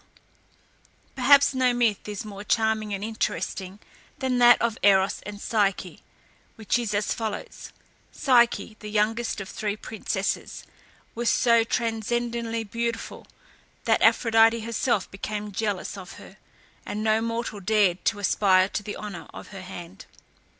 Perhaps no myth is more charming and interesting than that of Eros and Psyche, which is as follows: Psyche, the youngest of three princesses, was so transcendently beautiful that Aphrodite herself became jealous of her, and no mortal dared to aspire to the honour of her hand.